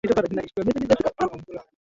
Kwa sababu ya mila zao na mavazi tofauti